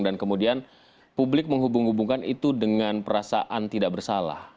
dan kemudian publik menghubung hubungkan itu dengan perasaan tidak bersalah